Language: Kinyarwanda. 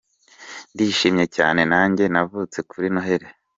Ndishimye cyane najye navutse kuri Noheli.